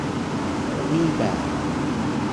นี่แบบ